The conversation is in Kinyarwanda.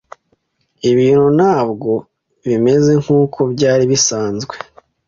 Ibintu ntabwo bimeze nkuko byari bisanzwe.